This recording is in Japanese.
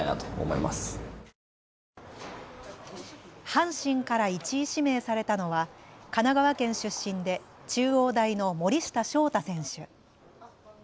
阪神から１位指名されたのは神奈川県出身で中央大の森下翔太選手。